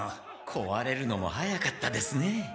こわれるのも早かったですね。